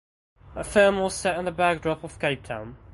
The film was set in the backdrop of Cape Town.